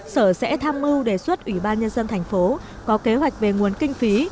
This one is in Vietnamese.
sở sẽ tham mưu đề xuất ủy ban nhân dân tp có kế hoạch về nguồn kinh phí